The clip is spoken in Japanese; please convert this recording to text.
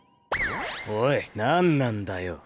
おい何なんだよ。